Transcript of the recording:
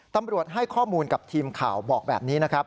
ตำรวจให้ข้อมูลกับทีมข่าวบอกแบบนี้นะครับ